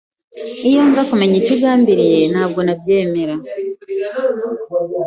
Iyo nza kumenya icyo ugambiriye, ntabwo nabyemera.